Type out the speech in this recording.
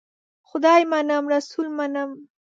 خدای منم ، رسول منم .